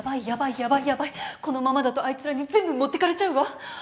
このままだとあいつらに全部持ってかれちゃうわ！